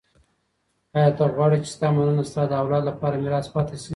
ایا ته غواړې چي ستا مننه ستا د اولاد لپاره میراث پاته سي؟